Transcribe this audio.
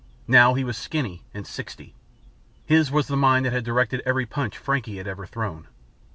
Now he was skinny and sixty. His was the mind that had directed every punch Frankie had ever thrown.